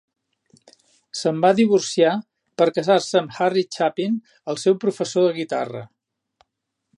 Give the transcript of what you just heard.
Se'n va divorciar per casar-se amb Harry Chapin, el seu professor de guitarra.